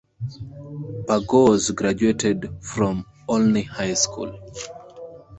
Burgos graduated from Olney High School.